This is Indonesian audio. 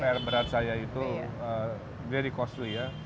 perberan saya itu very costly ya